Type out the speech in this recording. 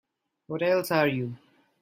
What else are you?